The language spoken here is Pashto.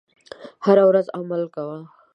هره ورځ عمل کوه .